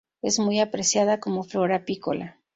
Es muy apreciada como flora apícola.